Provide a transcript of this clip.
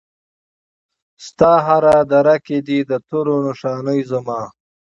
ستا هره دره کې دي د تورو نښانې زما